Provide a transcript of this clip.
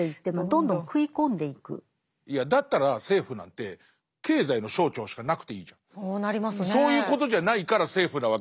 いやだったら政府なんてそういうことじゃないから政府なわけじゃないですか。